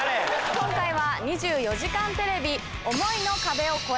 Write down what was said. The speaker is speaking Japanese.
今回は『２４時間テレビ』。